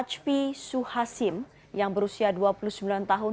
h p suhasim yang berusia dua puluh sembilan tahun